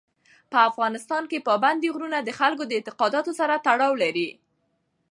په افغانستان کې پابندی غرونه د خلکو د اعتقاداتو سره تړاو لري.